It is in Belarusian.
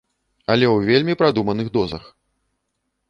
Але ў вельмі прадуманых дозах.